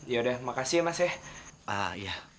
yaudah makasih ya mas ya